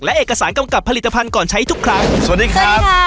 และเอกสารกำกับผลิตภัณฑ์ก่อนใช้ทุกครั้งสวัสดีครับ